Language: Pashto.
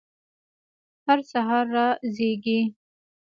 هر سهار را زیږي